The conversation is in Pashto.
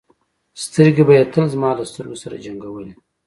سترګې به یې تل زما له سترګو سره جنګولې.